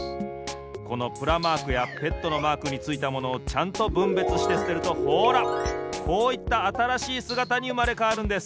このプラマークやＰＥＴのマークについたものをちゃんとぶんべつしてすてるとほらこういったあたらしいすがたにうまれかわるんです。